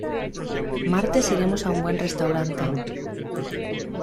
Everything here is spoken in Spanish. Martes iremos a un buen restaurante.